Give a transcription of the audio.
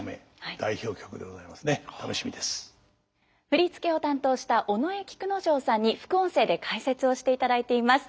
振付を担当した尾上菊之丞さんに副音声で解説をしていただいています。